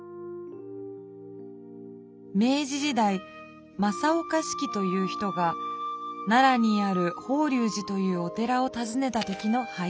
明治時代正岡子規という人が奈良にある法隆寺というお寺をたずねた時の俳句。